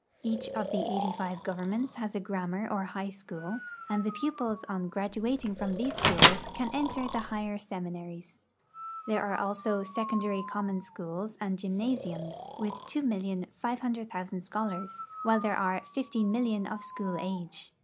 Each of the eighty five governments has a grammar or high school, and the pupils on graduating from these schools can enter the higher seminaries. There are also secondary common schools and gymnasiums, with 2,o00,000 scholars, while there are 15,000,000 of school age.